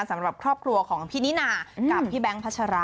สำหรับครอบครัวของพี่นิน่ากับพี่แบงค์พัชระ